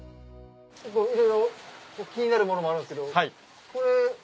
結構いろいろ気になるものもあるんですけどこれ。